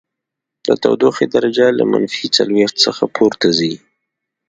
د تودوخې درجه له منفي څلوېښت څخه پورته ځي